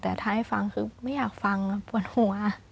ถ้าไม่ฟังคือไม่อยากฟังปวดหัว